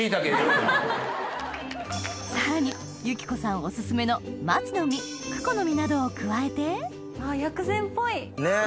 さらに由紀子さんお薦めの松の実クコの実などを加えてあぁ薬膳っぽい。ねぇ！